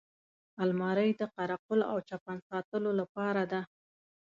الماري د قره قل او چپن ساتلو لپاره ده